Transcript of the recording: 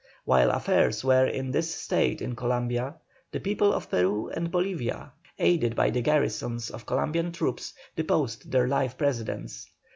While affairs were in this state in Columbia, the people of Peru and Bolivia, aided by the garrisons of Columbian troops, deposed their life Presidents.